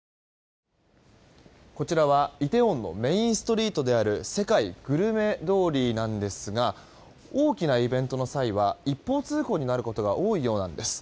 こちらはイテウォンのメインストリートである世界グルメ通りなんですが大きなイベントの際は一方通行になることが多いようなんです。